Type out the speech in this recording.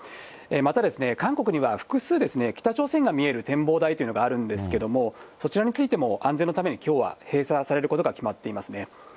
また、韓国には複数、北朝鮮が見える展望台というのがあるんですけれども、そちらについても安全のために、きょうは閉鎖されることが決まっていますね。